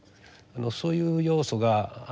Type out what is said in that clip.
そういう要素がある。